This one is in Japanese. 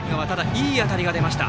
いい当たりが出ました。